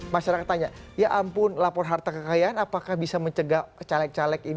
masyarakat tanya ya ampun lapor harta kekayaan apakah bisa mencegah caleg caleg ini